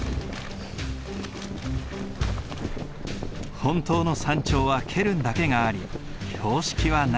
本当の山頂はケルンだけがあり標識はない。